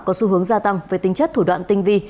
có xu hướng gia tăng với tính chất thủ đoạn tinh vi